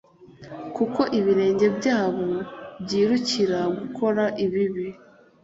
Kuko ibirenge byabo byirukira gukora ibibi